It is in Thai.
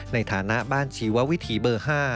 ในฐานะบ้านชีววิถีเบอร์๕